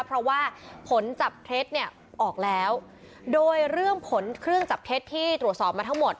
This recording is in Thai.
เพราะว่าผลจับเท็จเนี่ยออกแล้วโดยเรื่องผลเครื่องจับเท็จที่ตรวจสอบมาทั้งหมด